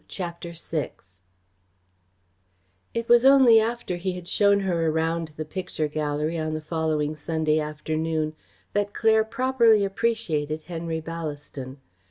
CHAPTER VI It was only after he had shown her around the picture gallery on the following Sunday afternoon that Claire properly appreciated Henry Ballaston.